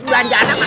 duit belanjaan sama